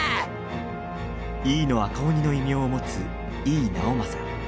井伊の赤鬼の異名を持つ井伊直政。